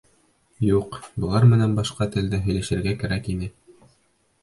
Юҡ, былар менән башҡа «телдә» һөйләшергә кәрәк ине.